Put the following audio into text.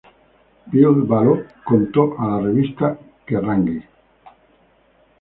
Ville Valo contó a la revista Kerrang!